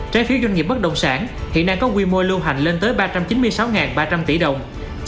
trái phiếu doanh nghiệp bất động sản hiện đang có quy mô lưu hành lên tới ba trăm chín mươi sáu ba trăm linh tỷ đồng